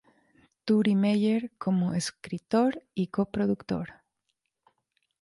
Turi Meyer como escritor y co-productor.